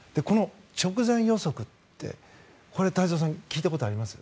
直前予測って太蔵さん、聞いたことあります？